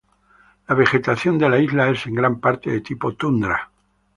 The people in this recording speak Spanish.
La vegetación de la isla es en gran parte de tipo tundra.